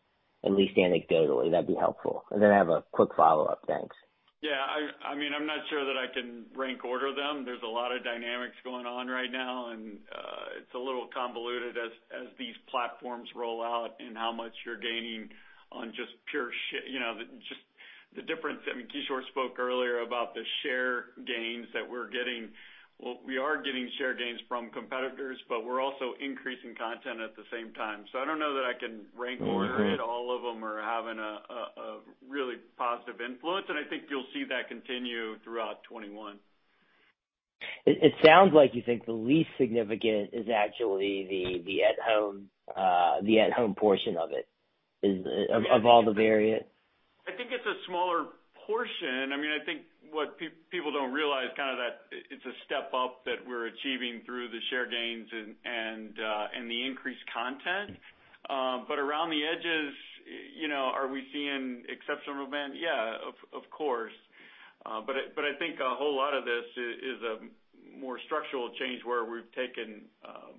At least anecdotally, that would be helpful. Then I have a quick follow-up. Thanks. Yeah. I'm not sure that I can rank order them. There's a lot of dynamics going on right now, and it's a little convoluted as these platforms roll out and how much you're gaining on just the difference. Kishore spoke earlier about the share gains that we're getting. Well, we are getting share gains from competitors, but we're also increasing content at the same time. I don't know that I can rank order it. All of them are having a really positive influence, and I think you'll see that continue throughout 2021. It sounds like you think the least significant is actually the at-home portion of it, of all the variants. I think it's a smaller portion. I think what people don't realize is that it's a step up that we're achieving through the share gains and the increased content. Around the edges, are we seeing exceptional demand? Yeah, of course. I think a whole lot of this is a more structural change, where we've taken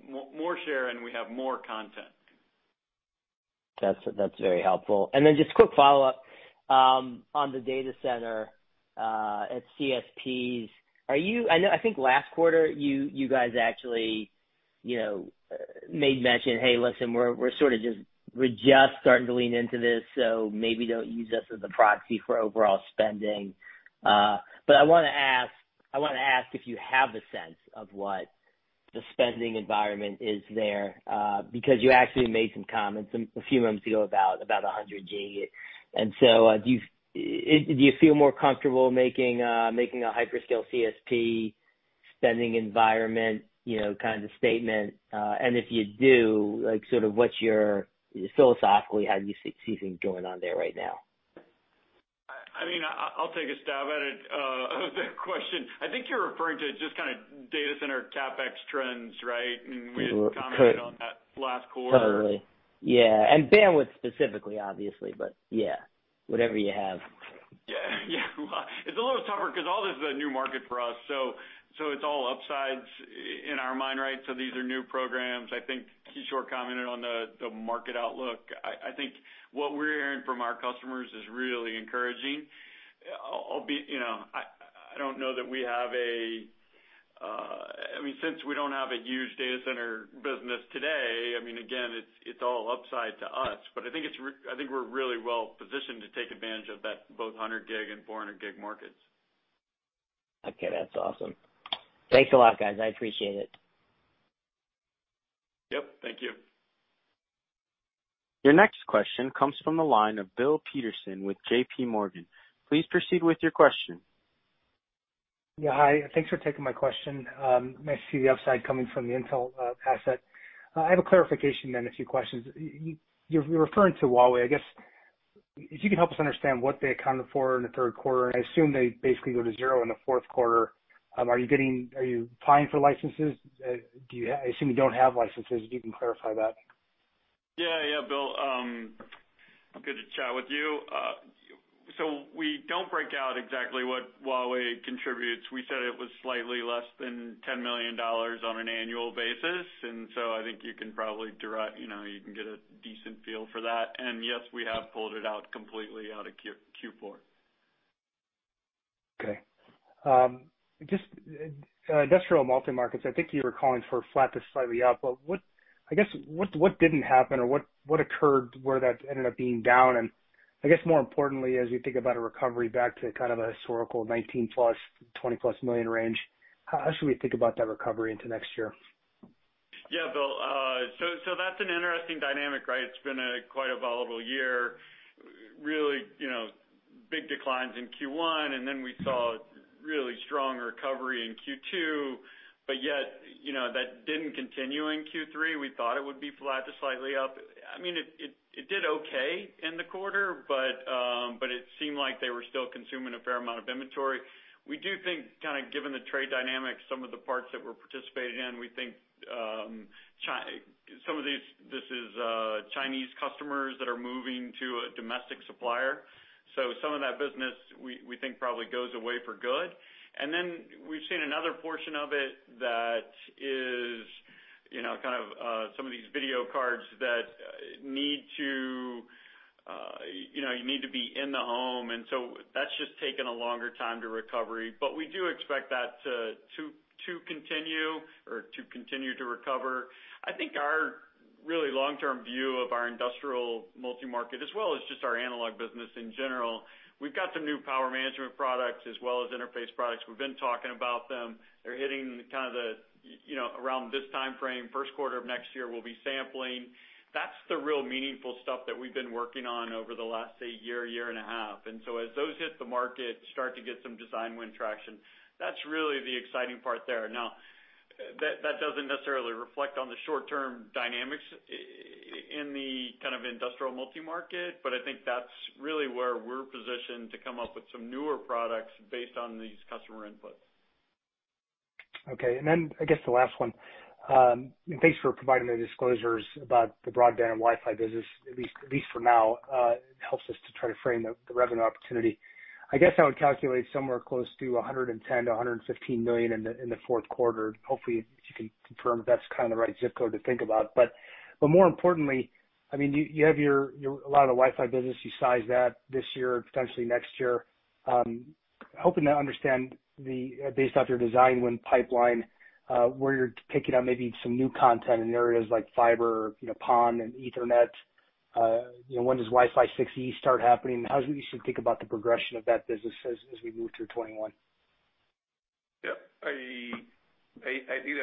more share and we have more content. That's very helpful. Just quick follow-up. On the data center at CSPs, I think last quarter, you guys actually made mention, "Hey, listen, we're just starting to lean into this, so maybe don't use us as a proxy for overall spending." I want to ask if you have a sense of what the spending environment is there, because you actually made some comments a few months ago about 100G. Do you feel more comfortable making a hyperscale CSP spending environment kind of statement? If you do, philosophically, how do you see things going on there right now? I'll take a stab at it of that question. I think you're referring to just data center CapEx trends, right? Could- ...commented on that last quarter. ...totally. Yeah. Bandwidth specifically, obviously, but yeah. Whatever you have. It's a little tougher because all this is a new market for us, so it's all upsides in our mind, right? These are new programs. I think Kishore commented on the market outlook. I think what we're hearing from our customers is really encouraging. Since we don't have a huge data center business today, again, it's all upside to us, but I think we're really well-positioned to take advantage of both 100G and 400G markets. Okay, that's awesome. Thanks a lot, guys. I appreciate it. Yep. Thank you. Your next question comes from the line of Bill Peterson with JPMorgan. Please proceed with your question. Yeah. Hi, thanks for taking my question. Nice to see the upside coming from the Intel asset. I have a clarification, then a few questions. You're referring to Huawei. I guess if you can help us understand what they accounted for in the third quarter, and I assume they basically go to zero in the fourth quarter. Are you applying for licenses? I assume you don't have licenses, if you can clarify that. Yeah, Bill. Good to chat with you. We don't break out exactly what Huawei contributes. We said it was slightly less than $10 million on an annual basis, and so I think you can get a decent feel for that. Yes, we have pulled it out completely out of Q4. Okay. Just industrial multi-markets, I think you were calling for flat to slightly up, but I guess what didn't happen or what occurred where that ended up being down? I guess more importantly, as you think about a recovery back to kind of a historical 19-plus, 20-plus million range, how should we think about that recovery into next year? Yeah, Bill. That's an interesting dynamic, right? It's been quite a volatile year. Really big declines in Q1, we saw really strong recovery in Q2. That didn't continue in Q3. We thought it would be flat to slightly up. It did okay in the quarter, it seemed like they were still consuming a fair amount of inventory. We do think, given the trade dynamics, some of the parts that we're participating in, we think this is Chinese customers that are moving to a domestic supplier. Some of that business, we think probably goes away for good. We've seen another portion of it that is kind of some of these video cards that you need to be in the home. That's just taken a longer time to recovery. We do expect that to continue to recover. I think our really long-term view of our industrial multi-market as well as just our analog business in general, we've got some new power management products as well as interface products. We've been talking about them. They're hitting around this timeframe. First quarter of next year, we'll be sampling. That's the real meaningful stuff that we've been working on over the last, say, year and a half. As those hit the market, start to get some design win traction, that's really the exciting part there. Now, that doesn't necessarily reflect on the short-term dynamics in the kind of industrial multi-market, but I think that's really where we're positioned to come up with some newer products based on these customer inputs. Okay. I guess the last one. Thanks for providing the disclosures about the broadband and Wi-Fi business, at least for now. It helps us to try to frame the revenue opportunity. I guess I would calculate somewhere close to $110 million-$115 million in the fourth quarter. Hopefully, if you can confirm if that's kind of the right zip code to think about. More importantly, you have a lot of the Wi-Fi business. You sized that this year, potentially next year. Hoping to understand, based off your design win pipeline, where you're picking up maybe some new content in areas like fiber, PON, and Ethernet. When does Wi-Fi 6E start happening? How should we think about the progression of that business as we move through 2021? Yeah. I think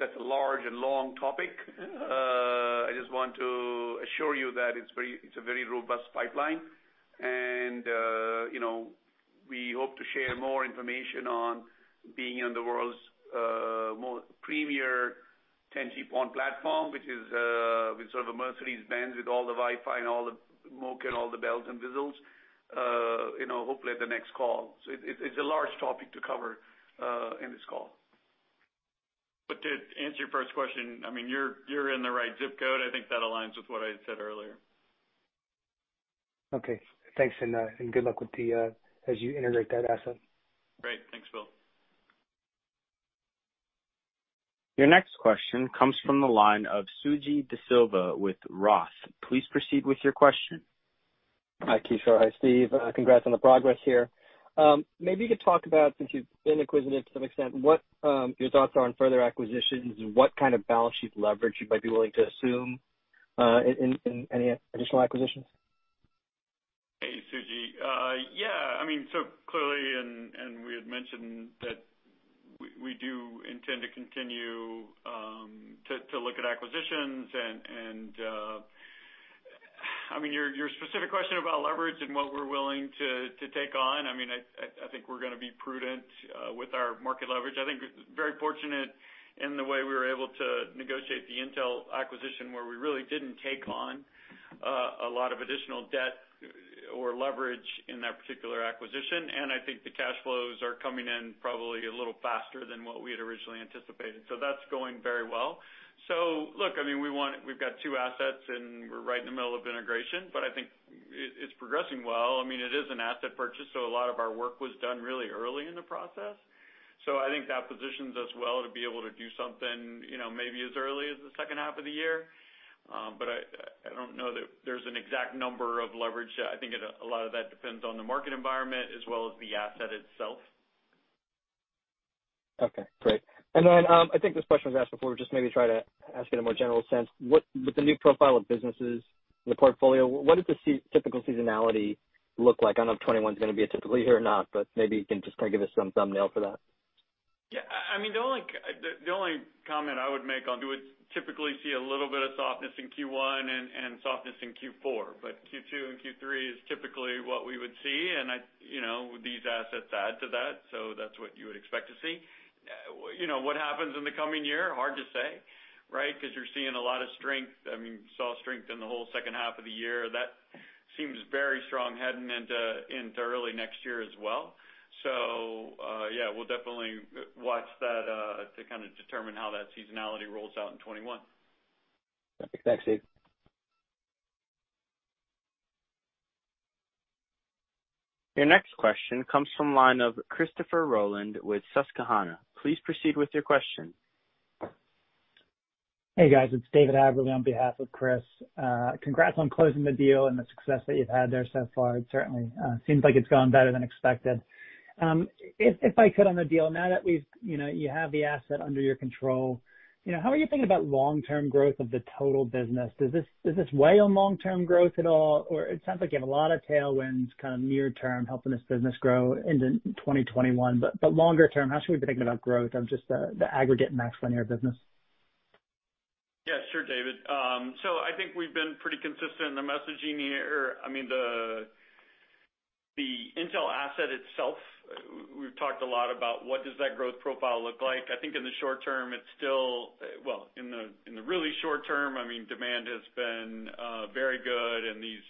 that's a large and long topic. I just want to assure you that it's a very robust pipeline. We hope to share more information on being in the world's premier 10G-PON platform, which is sort of a Mercedes-Benz with all the Wi-Fi and all the MoCA and all the bells and whistles, hopefully at the next call. It's a large topic to cover in this call. To answer your first question, you're in the right zip code. I think that aligns with what I had said earlier. Okay, thanks. Good luck as you integrate that asset. Great. Thanks, Bill. Your next question comes from the line of Suji Desilva with ROTH. Please proceed with your question. Hi, Kishore. Hi, Steve. Congrats on the progress here. Maybe you could talk about, since you've been acquisitive to some extent, what your thoughts are on further acquisitions and what kind of balance sheet leverage you might be willing to assume in any additional acquisitions? Hey, Suji. Yeah. Clearly, and we had mentioned that we do intend to continue to look at acquisitions. Your specific question about leverage and what we're willing to take on, I think we're going to be prudent with our market leverage. I think very fortunate in the way we were able to negotiate the Intel acquisition, where we really didn't take on a lot of additional debt or leverage in that particular acquisition. I think the cash flows are coming in probably a little faster than what we had originally anticipated. That's going very well. Look, we've got two assets, and we're right in the middle of integration, but I think it's progressing well. It is an asset purchase, so a lot of our work was done really early in the process. I think that positions us well to be able to do something maybe as early as the second half of the year. I don't know that there's an exact number of leverage. I think a lot of that depends on the market environment as well as the asset itself. Okay, great. I think this question was asked before, just maybe try to ask it in a more general sense. With the new profile of businesses in the portfolio, what does the typical seasonality look like? I don't know if 2021's going to be a typical year or not, but maybe you can just kind of give us some thumbnail for that. Yeah. The only comment I would make on, do we typically see a little bit of softness in Q1 and softness in Q4. Q2 and Q3 is typically what we would see, and these assets add to that. That's what you would expect to see. What happens in the coming year? Hard to say, right? Because you're seeing a lot of strength. We saw strength in the whole second half of the year. That seems very strong heading into early next year as well. Yeah, we'll definitely watch that to kind of determine how that seasonality rolls out in 2021. Perfect. Thanks, Steve. Your next question comes from line of Christopher Rolland with Susquehanna. Please proceed with your question. Hey, guys. It's David Haberle on behalf of Chris. Congrats on closing the deal and the success that you've had there so far. It certainly seems like it's gone better than expected. If I could on the deal, now that you have the asset under your control, how are you thinking about long-term growth of the total business? Does this weigh on long-term growth at all? It sounds like you have a lot of tailwinds kind of near term helping this business grow into 2021. Longer term, how should we be thinking about growth of just the aggregate MaxLinear business? Yeah, sure, David. I think we've been pretty consistent in the messaging here. The Intel asset itself, we've talked a lot about what does that growth profile look like. I think in the short term, in the really short term, demand has been very good, and these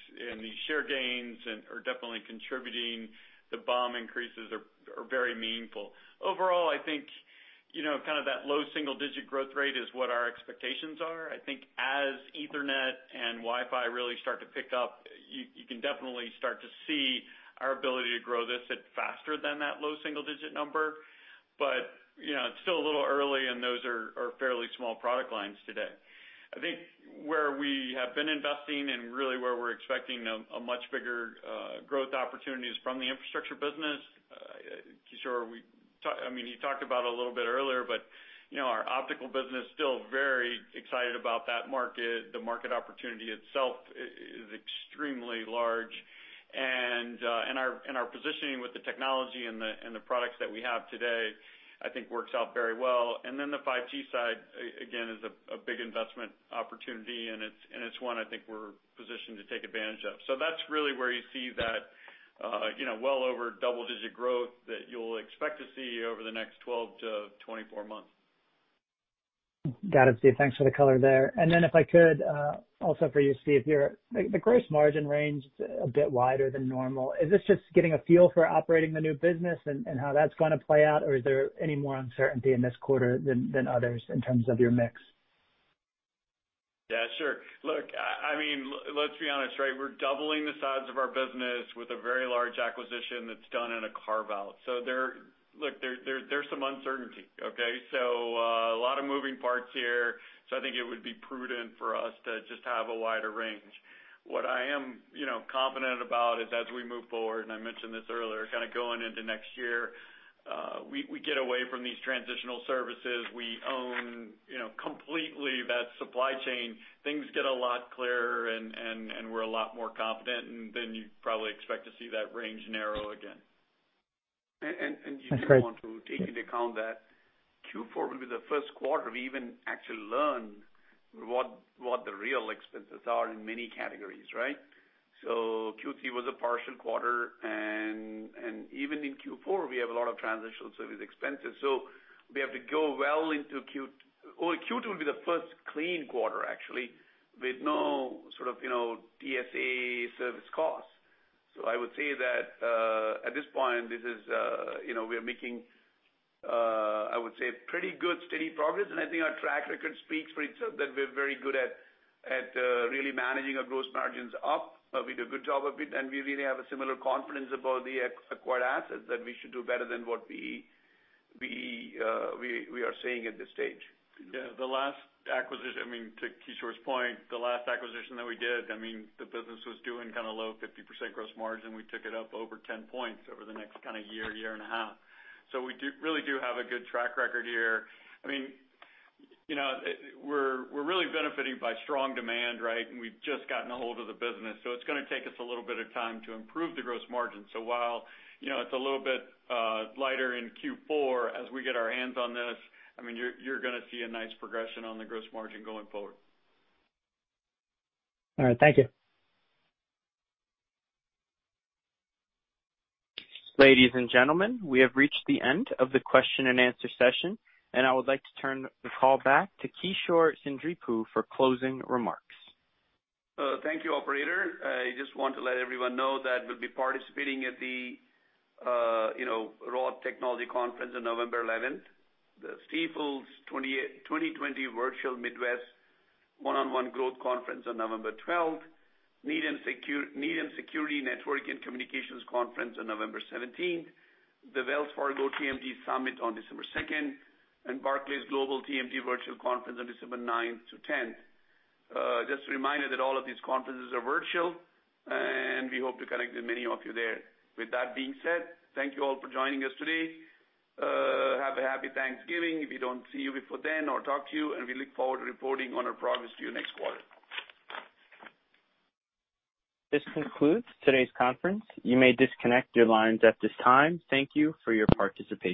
share gains are definitely contributing. The BOM increases are very meaningful. Overall, I think, kind of that low single-digit growth rate is what our expectations are. I think as Ethernet and Wi-Fi really start to pick up, you can definitely start to see our ability to grow this at faster than that low single-digit number. It's still a little early, and those are fairly small product lines today. I think where we have been investing and really where we're expecting a much bigger growth opportunity is from the infrastructure business. Kishore, he talked about a little bit earlier, our optical business, still very excited about that market. The market opportunity itself is extremely large, and our positioning with the technology and the products that we have today, I think works out very well. The 5G side, again, is a big investment opportunity, and it's one I think we're positioned to take advantage of. That's really where you see that well over double-digit growth that you'll expect to see over the next 12-24 months. Got it, Steve. Thanks for the color there. If I could, also for you, Steve, the gross margin range is a bit wider than normal. Is this just getting a feel for operating the new business and how that's going to play out? Or is there any more uncertainty in this quarter than others in terms of your mix? Yeah, sure. Look, let's be honest, right? We're doubling the size of our business with a very large acquisition that's done in a carve-out. Look, there's some uncertainty, okay? Moving parts here, I think it would be prudent for us to just have a wider range. What I am confident about is as we move forward, I mentioned this earlier, going into next year, we get away from these transitional services. We own completely that supply chain. Things get a lot clearer, we're a lot more confident, you probably expect to see that range narrow again. You do want to take into account that Q4 will be the first quarter we even actually learn what the real expenses are in many categories, right? Q3 was a partial quarter, and even in Q4, we have a lot of transitional service expenses. Q2 will be the first clean quarter, actually, with no TSA service costs. I would say that, at this point, we are making, I would say, pretty good, steady progress. I think our track record speaks for itself, that we're very good at really managing our gross margins up. We do a good job of it, and we really have a similar confidence about the acquired assets, that we should do better than what we are seeing at this stage. Yeah. To Kishore's point, the last acquisition that we did, the business was doing low 50% gross margin. We took it up over 10 points over the next year and a half. We really do have a good track record here. We're really benefiting by strong demand, right? We've just gotten a hold of the business. It's going to take us a little bit of time to improve the gross margin. While it's a little bit lighter in Q4, as we get our hands on this, you're going to see a nice progression on the gross margin going forward. All right. Thank you. Ladies and gentlemen, we have reached the end of the question-and-answer session, and I would like to turn the call back to Kishore Seendripu for closing remarks. Thank you, operator. I just want to let everyone know that we'll be participating at the ROTH Technology Conference on November 11th, the Stifel 2020 Virtual Midwest One-on-One Growth Conference on November 12th, Media and Security Networking Communications Conference on November 17th, the Wells Fargo TMT Summit on December 2nd, Barclays Global TMT Virtual Conference on December 9th-10th. Just a reminder that all of these conferences are virtual, we hope to connect with many of you there. With that being said, thank you all for joining us today. Have a happy Thanksgiving if we don't see you before then or talk to you, we look forward to reporting on our progress to you next quarter. This concludes today's conference. You may disconnect your lines at this time. Thank you for your participation.